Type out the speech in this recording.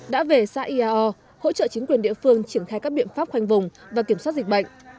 đã về xã iao hỗ trợ chính quyền địa phương triển khai các biện pháp khoanh vùng và kiểm soát dịch bệnh